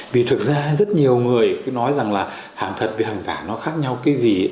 vì thực ra rất nhiều người cứ nói rằng là hàng thật về hàng giả nó khác nhau cái gì